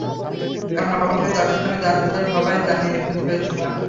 কারণ অবশেষে, যাদেরকে আমি জানাতে চাই, সবাইকে জানিয়ে ফেলতে পেরেছিলাম।